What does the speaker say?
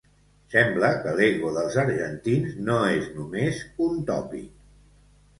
Sembla que l'ego dels argentins no és només un tòpic